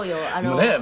ねえ。